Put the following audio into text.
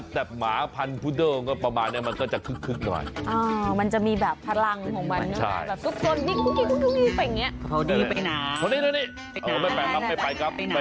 แต่หมาพันธุโดก็ประมาณนี้มันก็จะคึกหน่อย